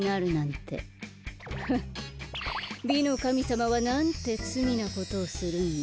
フッ美のかみさまはなんてつみなことをするんだ。